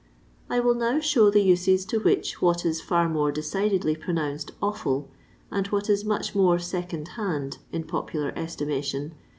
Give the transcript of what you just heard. I will now show the uses to which what is far more decidedly pronounced " offnl," and what is much more " second hand " in popular estimation, viz.